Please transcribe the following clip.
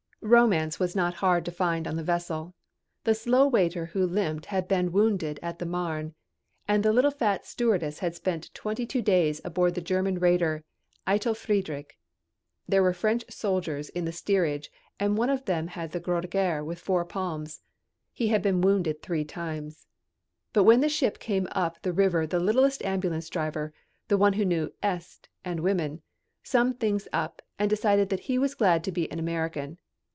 Romance was not hard to find on the vessel. The slow waiter who limped had been wounded at the Marne, and the little fat stewardess had spent twenty two days aboard the German raider Eitel Friedrich. There were French soldiers in the steerage and one of them had the Croix de Guerre with four palms. He had been wounded three times. But when the ship came up the river the littlest ambulance driver the one who knew "est" and women summed things up and decided that he was glad to be an American.